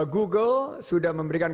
google sudah memberikan